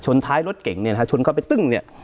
ท้ายรถเก่งเนี่ยนะฮะชนเข้าไปตึ้งเนี่ย